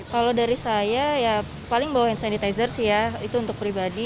kalau dari saya ya paling bawa hand sanitizer sih ya itu untuk pribadi